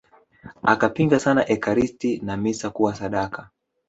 Akapinga sana Ekaristi na misa kuwa sadaka